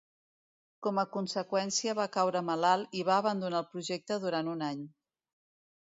Com a conseqüència va caure malalt i va abandonar el projecte durant un any.